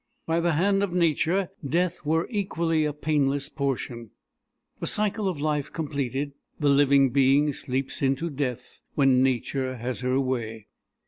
By the hand of Nature death were equally a painless portion. The cycle of life completed, the living being sleeps into death when Nature has her way.